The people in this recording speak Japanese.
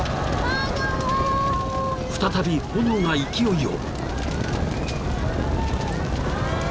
［再び炎が勢いを］